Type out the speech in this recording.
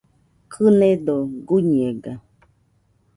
Kɨnedo guiñega